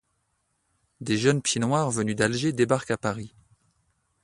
Des jeunes pieds noirs venus d'Alger débarquent à Paris.